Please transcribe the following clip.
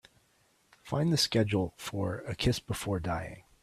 Find the schedule for A Kiss Before Dying.